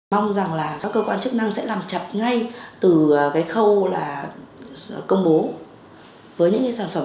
mong rằng là các cơ quan chức năng sẽ làm chặt ngay từ cái khâu là công bố với những cái sản phẩm